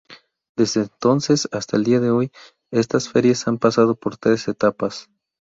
Desde entonces hasta el día de hoy estas Ferias han pasado por tres etapas.